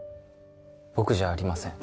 僕じゃありません